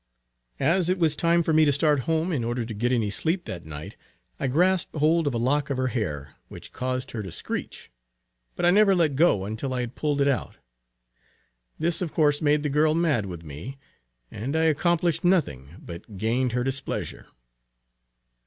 As it was time for me to start home in order to get any sleep that night, I grasped hold of a lock of her hair, which caused her to screech, but I never let go until I had pulled it out. This of course made the girl mad with me, and I accomplished nothing but gained her displeasure.